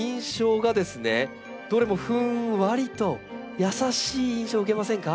どれもふんわりと優しい印象を受けませんか？